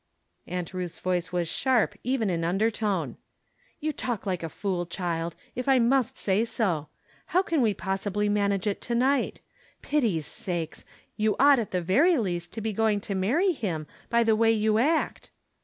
Aunt Ruth's voice was sharp, even in under tone. " You talk like a fool, child, if I must say so. How can we possibly manage it to night ? Pity's sakes ! you ought at the very least to be going to marry Mm, by the way you act."